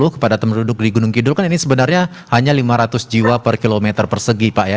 kepada penduduk di gunung kidul kan ini sebenarnya hanya lima ratus jiwa per kilometer persegi pak ya